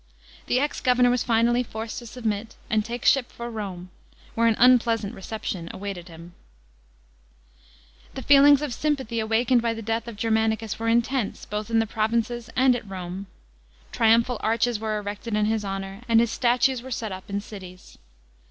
The px governor was finally forced to submit and take ship fur Borne, w7 ere an unpleasant reception awaited hinio The feelings of sympathy awakened by the death of Germanicrs wore intense, both in the provinces and at Kame. Triumphal arches were erected in his honour, anl his statues ^?crc set up in cities.